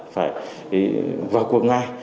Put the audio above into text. phải vào cuộc ngay